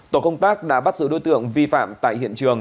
tổ công tác đã bắt giữ đối tượng vi phạm tại hiện trường